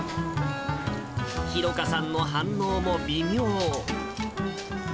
寛果さんの反応も微妙。